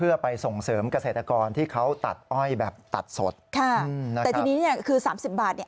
เพื่อไปส่งเสริมเกษตรกรที่เขาตัดอ้อยแบบตัดสดค่ะแต่ทีนี้เนี่ยคือสามสิบบาทเนี่ย